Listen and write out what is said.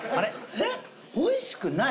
えっおいしくない？